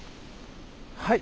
はい。